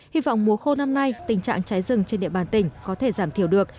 hy vọng mùa khô năm nay tình trạng cháy rừng trên địa bàn tỉnh có thể giảm thiểu được